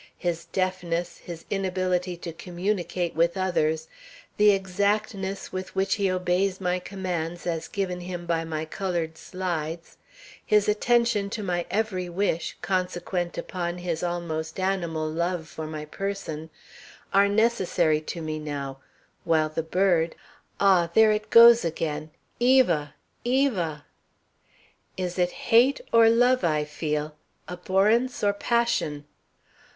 His deafness, his inability to communicate with others, the exactness with which he obeys my commands as given him by my colored slides, his attention to my every wish, consequent upon his almost animal love for my person, are necessary to me now, while the bird Ah! there it goes again, 'Eva! Eva!' "Is it hate or love I feel, abhorrence or passion?